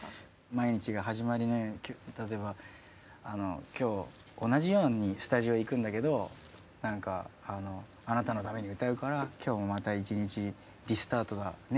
毎日が始まりのように例えば今日同じようにスタジオ行くんだけど何か「あなたのために歌うから今日もまた一日リスタートだね」